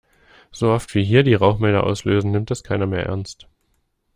So oft, wie hier die Rauchmelder auslösen, nimmt das keiner mehr ernst.